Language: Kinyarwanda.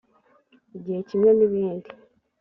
igihe kimwe n ibindi